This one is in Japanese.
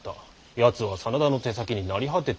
やつは真田の手先に成り果てていたのだ。